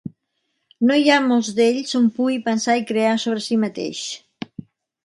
No hi ha molts d'ells on pugui pensar i crear sobre si mateix.